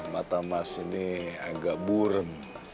mata mas ini agak burem